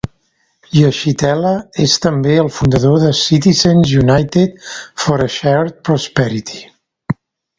Yeshitela és també el fundador de Citizens United for a Shared Prosperity.